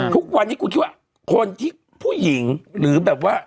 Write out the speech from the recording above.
ทุกวันนี้คุณคิดว่าคนที่ผู้หญิงหรือแบบว่า